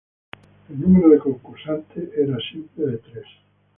El número de concursantes era siempre de tres.